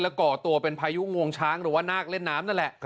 ก่อตัวเป็นพายุงวงช้างหรือว่านาคเล่นน้ำนั่นแหละ